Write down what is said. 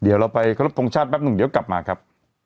เดี๋ยวเราไปครบทรงชาติแป๊บหนึ่งเดี๋ยวกลับมาครับ